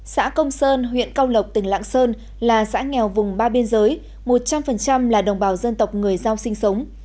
xã công sơn huyện cao lộc tỉnh lạng sơn là xã nghèo vùng ba biên giới một trăm linh là đồng bào dân tộc người giao sinh sống